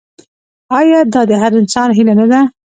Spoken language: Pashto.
آیا دا د هر انسان هیله نه ده؟